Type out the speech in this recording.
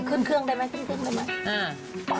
ขึ้นเครื่องได้ไหมขึ้นได้ไหม